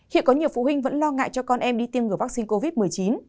hiện có nhiều phụ huynh vẫn lo ngại cho con em đi tiêm ngừa vaccine covid một mươi chín